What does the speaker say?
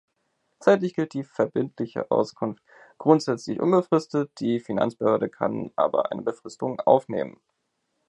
Zeitlich gilt die verbindliche Auskunft grundsätzlich unbefristet, die Finanzbehörde kann aber eine Befristung aufnehmen.